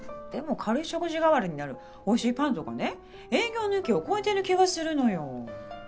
でも軽い食事代わりになるおいしいパンとかね営業の域を超えてる気がするのよ。